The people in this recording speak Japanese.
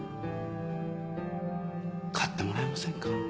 買ってもらえませんか？